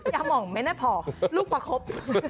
ยามองไม่ได้พอลูกประคบ